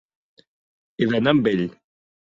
He d'anar amb ell.